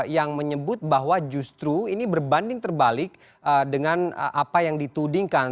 yang menyebut bahwa justru ini berbanding terbalik dengan apa yang ditudingkan